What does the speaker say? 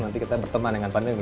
nanti kita berteman dengan pandemi